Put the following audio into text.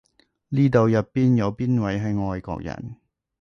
呢度入邊有邊位係外國人？